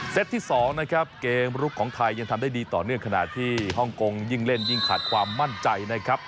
ที่๒นะครับเกมลุกของไทยยังทำได้ดีต่อเนื่องขณะที่ฮ่องกงยิ่งเล่นยิ่งขาดความมั่นใจนะครับ